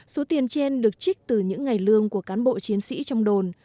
số tiền trên được trích từ những ngày lương của cán bộ chiến sĩ trong đồn